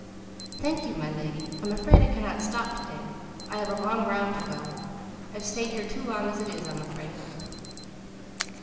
"Thank you, my lady. I'm afraid I cannot stop to day. I have a long round to go; I've stayed here too long as it is, I'm afraid."